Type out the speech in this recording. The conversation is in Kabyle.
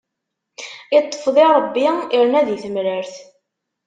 Iṭṭef di Ṛebbi, irna di temrart.